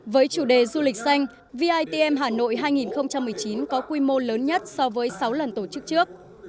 với chủ đề du lịch xanh vitm hà nội hai nghìn một mươi chín có quy mô lớn nhất so với sáu lần tổ chức trước